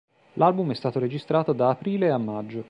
L'album è stato registrato da aprile a maggio.